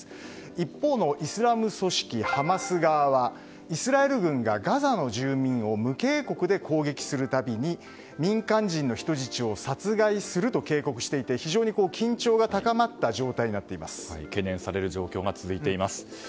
一方のイスラム組織ハマス側はイスラエル軍がガザの住民を無警告で攻撃するたびに民間人の人質を殺害すると警告していて非常に緊張が高まった状態に懸念される状況が続いています。